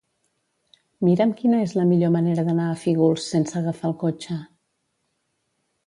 Mira'm quina és la millor manera d'anar a Fígols sense agafar el cotxe.